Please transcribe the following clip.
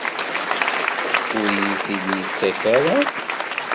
Ur iyi-t-id-yettak ara?